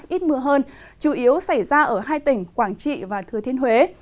ít mưa hơn chủ yếu xảy ra ở hai tỉnh quảng trị và thừa thiên huế